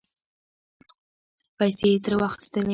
پیسې یې ترې واخستلې